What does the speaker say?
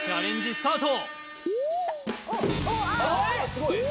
スタート